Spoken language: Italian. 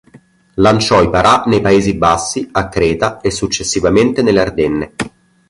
Lanciò i parà nei Paesi Bassi, a Creta e successivamente nelle Ardenne.